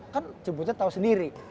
kan cibutet tau sendiri